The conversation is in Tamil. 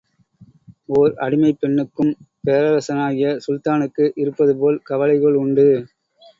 ஓர் அடிமைப் பெண்ணுக்கும் பேரரசனாகிய சுல்தானுக்கு இருப்பது போல் கவலைகள் உண்டு.